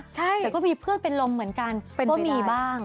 แต่ก็มีเพื่อนเป็นลมเหมือนกัน